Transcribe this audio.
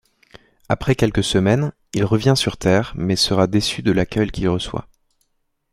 Après quelques semaines, il revient sur Terre, mais sera déçu de l'accueil qu'il reçoit.